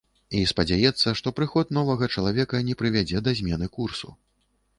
І спадзяецца, што прыход новага чалавека не прывядзе да змены курсу.